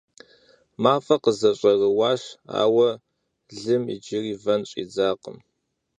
МафӀэр къызэщӀэрыуащ, ауэ лым иджыри вэн щӀидзакъым.